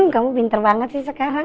kamu pinter banget sih sekarang